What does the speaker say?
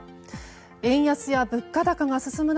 円安や物価高が進む中